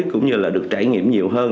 cũng như là được trải nghiệm nhiều hơn